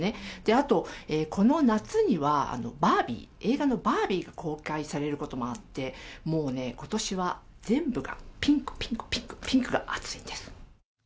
あと、この夏にはバービー、映画のバービーが公開されることもあって、もうね、ことしは全部がピンクピンクピンク、ピンクが熱いんです。